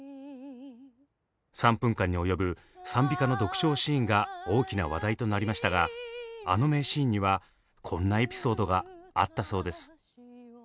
３分間に及ぶ賛美歌の独唱シーンが大きな話題となりましたがあの名シーンにはこんなエピソードがあったそうです。